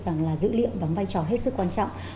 rằng là dữ liệu đóng vai trò hết sức quan trọng